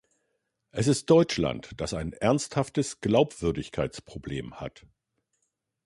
Es ist Deutschland, das ein ernsthaftes Glaubwürdigkeitsproblem hat.